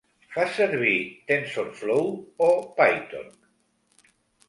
Fas servir Tensorflow o Pytorch?